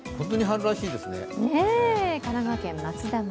神奈川県松田町。